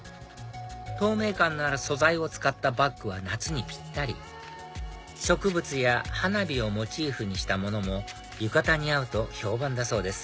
透明感のある素材を使ったバッグは夏にぴったり植物や花火をモチーフにしたものも浴衣に合うと評判だそうです